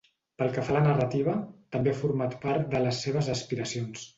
Pel que fa a la narrativa, també ha format part de les seves aspiracions.